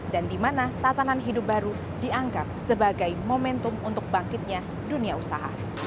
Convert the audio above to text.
dan di mana tatanan hidup baru dianggap sebagai momentum untuk bangkitnya dunia usaha